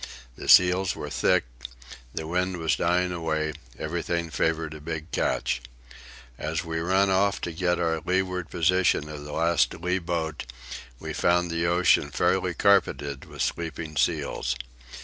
The seals were thick, the wind was dying away; everything favoured a big catch. As we ran off to get our leeward position of the last lee boat, we found the ocean fairly carpeted with sleeping seals.